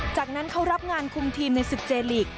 จากนั้นเขารับงานคุมทีมในศึกเจลีก